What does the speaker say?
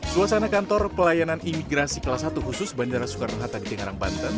suasana kantor pelayanan imigrasi kelas satu khusus bandara soekarno hatta di tenggarang banten